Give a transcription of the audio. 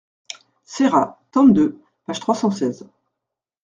Serra, tome II, page trois cent seize.